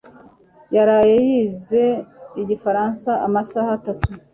yaraye yize igifaransa amasaha atatu